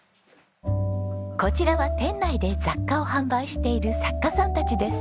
こちらは店内で雑貨を販売している作家さんたちです。